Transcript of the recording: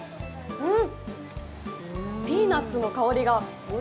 うん！